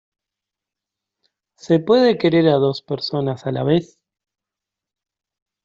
¿ se puede querer a dos personas a la vez?